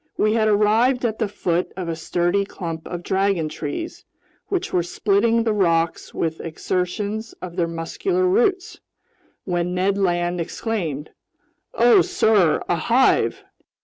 We had arrived at the foot of a sturdy clump of dragon trees, which were splitting the rocks with exertions of their muscular roots, when Ned Land exclaimed: "Oh, sir, a hive!"